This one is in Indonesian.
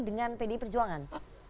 dengan pdi perjuangan